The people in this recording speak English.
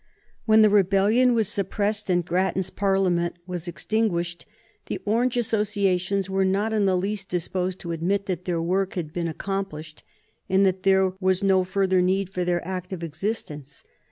When the rebellion was suppressed, and Grattan's Parliament was extinguished, the Orange associations were not in the least disposed to admit that their work had been accomplished and that there was no further need for their active existence.